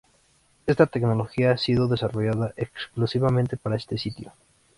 Esta tecnología ha sido desarrollada exclusivamente para este sitio.